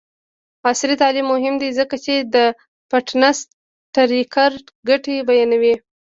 عصري تعلیم مهم دی ځکه چې د فټنس ټریکر ګټې بیانوي.